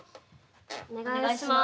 お願いします。